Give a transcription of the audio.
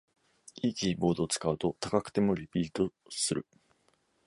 良いキーボードを使うと高くてもリピートする